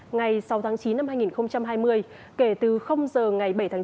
ngày sáu tháng chín năm hai nghìn hai mươi kể từ giờ ngày bảy tháng chín